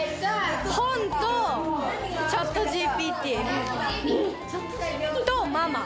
本とＣｈａｔＧＰＴ、とママ。